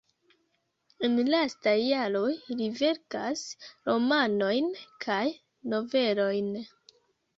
En lastaj jaroj li verkas romanojn kaj novelojn.